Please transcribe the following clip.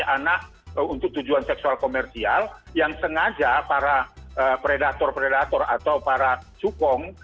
jadi anak anak untuk tujuan seksual komersial yang sengaja para predator predator atau para cukong